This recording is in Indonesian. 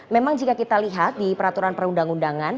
memang jika kita lihat di peraturan perundang undangan